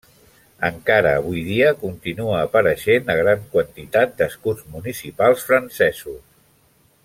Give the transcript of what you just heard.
Encara avui dia continua apareixent a gran quantitat d'escuts municipals francesos.